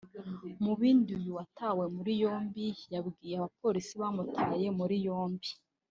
Mu bindi uyu watawe muri yombi yabwiye abapolisi bamutaye muri yombi